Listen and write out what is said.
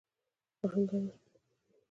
آهنګر اوسپنه کوبي.